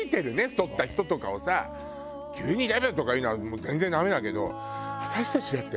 太った人とかをさ急に「デブ！」とか言うのは全然ダメだけど私たちだって。